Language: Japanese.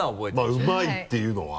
まぁうまいっていうのは。